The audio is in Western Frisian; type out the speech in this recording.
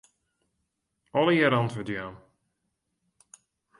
Allegearre antwurd jaan.